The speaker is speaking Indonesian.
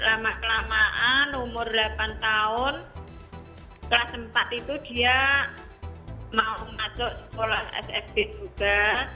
lama kelamaan umur delapan tahun kelas empat itu dia mau masuk sekolah ssd juga